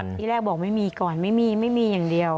ที่แรกบอกไม่มีก่อนไม่มีไม่มีอย่างเดียว